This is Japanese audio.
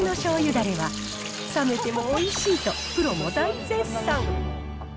だれは、冷めてもおいしいとプロも大絶賛。